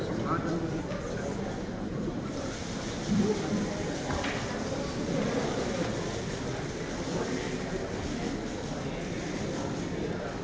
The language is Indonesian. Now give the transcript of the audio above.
setelah itu berhubungan dengan